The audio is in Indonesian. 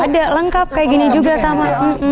ada lengkap kayak gini juga sama